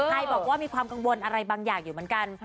ใครบอกว่ามีความกังวลอะไรบางอย่างอยู่เหมือนกัน